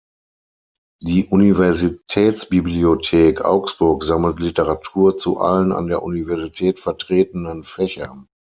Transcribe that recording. Die Universitätsbibliothek Augsburg sammelt Literatur zu allen an der Universität vertretenen Fächern.